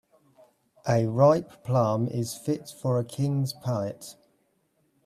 A ripe plum is fit for a king's palate.